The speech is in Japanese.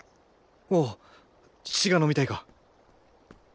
おおっ乳が飲みたいか！